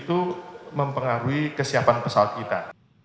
itu mempengaruhi kesiapan pesawat kita